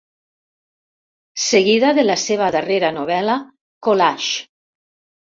Seguida de la seva darrera novel·la "Collages".